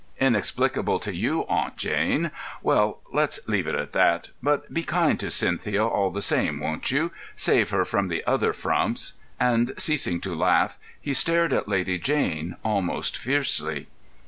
"Inexplicable to you, eh, Aunt Jane? Well, let's leave it at that. But be kind to Cynthia all the same, won't you? Save her from the other frumps," and, ceasing to laugh, he stared at Lady Jane almost fiercely.